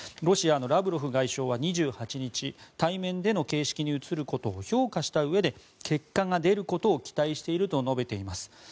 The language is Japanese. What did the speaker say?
ロシアのラブロフ外相は２８日対面での形式に移ることを評価したうえで結果が出ることを期待していると述べています。